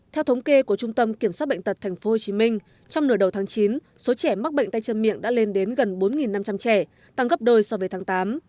theo thống kê của trung tâm kiểm soát bệnh tật tp hcm trong nửa đầu tháng chín số trẻ mắc bệnh tay chân miệng đã lên đến gần bốn năm trăm linh trẻ tăng gấp đôi so với tháng tám